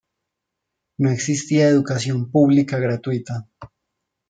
No existía educación pública gratuita.